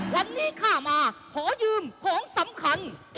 วันนี้ข้ามาขอยืมของสำคัญ